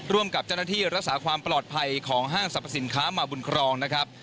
กับเจ้าหน้าที่รักษาความปลอดภัยของห้างสรรพสินค้ามาบุญครองนะครับ